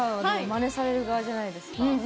まねされる側じゃないですか。